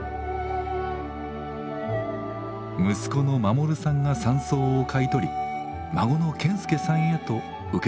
息子の守さんが山荘を買い取り孫の賢輔さんへと受け継がれました。